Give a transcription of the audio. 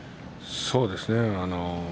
そうですね。